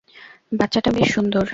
বাচ্চাটা বেশ সুন্দর।